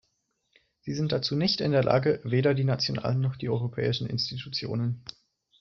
Sie sind dazu nicht in der Lage, weder die nationalen noch die europäischen Institutionen.